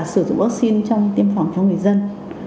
sử dụng vaccine trong tiêm phòng cho người dân